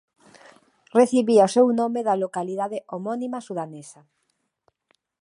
Recibía o seu nome da localidade homónima sudanesa.